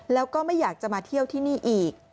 แล้วก็ไม่อยากจะมาเที่ยวที่นี่อีก